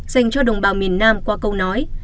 dành cho đồng bào miền nam qua câu nói